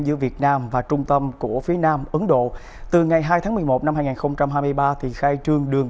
giữa việt nam và trung tâm của phía nam ấn độ từ ngày hai tháng một mươi một năm hai nghìn hai mươi ba thì khai trương đường